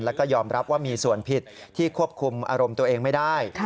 แล้วก็ยอมรับว่ามีส่วนผิดที่ควบคุมอารมณ์ตัวเองไม่ได้